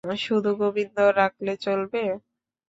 শুধু গোবিন্দ রাখলে চলবে?